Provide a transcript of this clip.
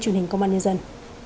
truyền hình công an nhân dân